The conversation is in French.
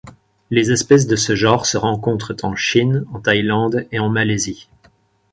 Les espèces de ce genre se rencontrent en Chine, en Thaïlande et en Malaisie.